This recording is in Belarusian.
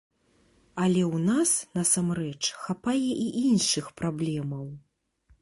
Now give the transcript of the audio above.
Але ў нас, насамрэч, хапае і іншых праблемаў.